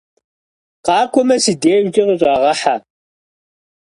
Къакӏуэмэ, си дежкӀэ къыщӀэгъэхьэ.